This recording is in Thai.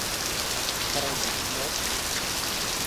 ประหยัดงบ